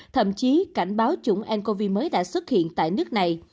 thậm chí cảnh báo chủng ncov mới đã xuất hiện tại nước này